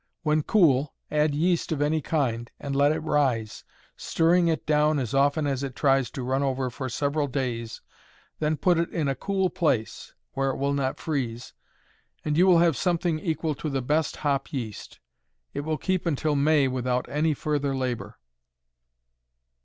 When cool, add yeast of any kind, and let it rise, stirring it down as often as it tries to run over for several days, then put it in a cool place (where it will not freeze), and you will have something equal to the best hop yeast. It will keep until May without any further labor.